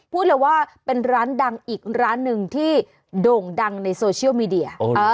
พูดเลยว่าเป็นร้านดังอีกร้านหนึ่งที่โด่งดังในโซเชียลมีเดีย